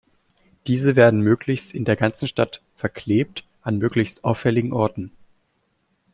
Diese werden möglichst in der ganzen Stadt verklebt, an möglichst auffälligen Orten.